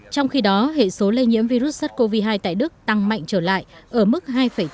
trong khi đó hệ số lây nhiễm virus sars cov hai tại đức tăng mạnh trở lại ở mức hai tám mươi tám